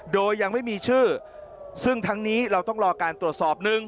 โดยยังไม่มีชื่อซึ่งทั้งนี้เราต้องรอการตรวจสอบหนึ่ง